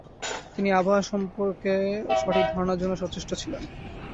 তিনি আবহাওয়া সম্প্রকে সঠিক ধারণার জন্য সচেষ্ট ছিলেন।